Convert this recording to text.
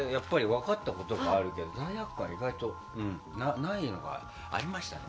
分かったことがあるけど罪悪感、意外とないのがありましたね。